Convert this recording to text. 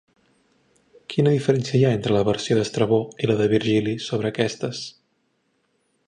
Quina diferència hi ha entre la versió d'Estrabó i la de Virgili sobre aquestes?